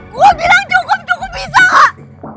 gue bilang cukup cukup bisa